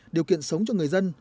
điều kiện sống cho người dân